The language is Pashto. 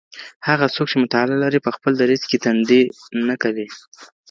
هغه څوک چي مطالعه لري په خپل دریځ کي تندي نه کوي.